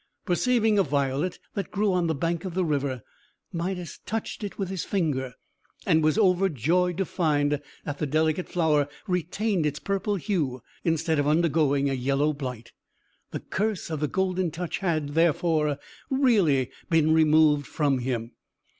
Perceiving a violet, that grew on the bank of the river, Midas touched it with his finger, and was overjoyed to find that the delicate flower retained its purple hue, instead of undergoing a yellow blight. The curse of the Golden Touch had, therefore, really been removed from him.